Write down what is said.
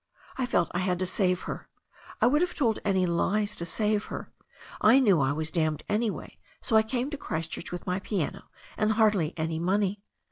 I felt I had to save her. I would have told any lies to save her — I knew I was damned any way — so I came to Christchurch with my piano and hardly any money.